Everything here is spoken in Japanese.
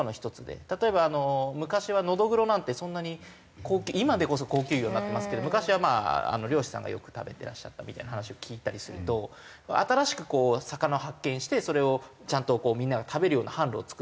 例えば昔はノドグロなんてそんなに今でこそ高級魚になってますけど昔は漁師さんがよく食べていらっしゃったみたいな話を聞いたりすると新しく魚を発見してそれをちゃんとみんなが食べるような販路を作っていく。